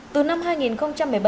từ năm hai nghìn một mươi bảy